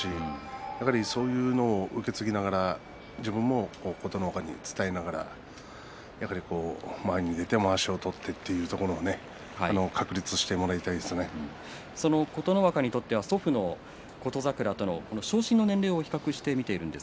やはり、そういうのを受け継ぎながら自分も琴ノ若に伝えながら前に出てまわしを取ってというところ、琴ノ若にとっては祖父の琴櫻の昇進の年齢を比較して見ています。